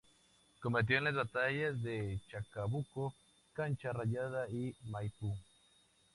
Combatió en las batallas de Chacabuco, Cancha Rayada y Maipú.